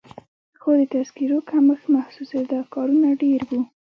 خو د تذکیرو کمښت محسوسېده، کارونه ډېر وو.